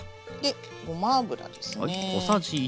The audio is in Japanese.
ごま油ですね。